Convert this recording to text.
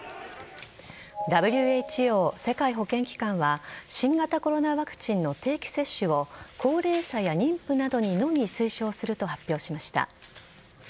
ＷＨＯ＝世界保健機関は新型コロナワクチンの定期接種を高齢者や妊婦などにのみ推奨すると発表しました。